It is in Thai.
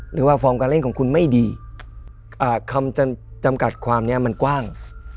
ฟอร์มการเล่นของคุณไม่ดีคำจำกัดความนี้มันกว้าง